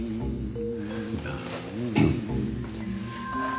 ああ。